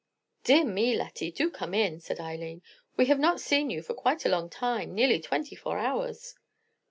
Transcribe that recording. "Dear me, Lettie, do come in," said Eileen. "We have not seen you for quite a long time—nearly twenty four hours."